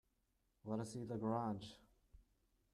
Let us see the garage!